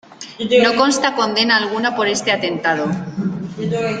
No consta condena alguna por este atentado.